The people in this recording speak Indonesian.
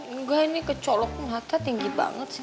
enggak ini kecolok mata tinggi banget sih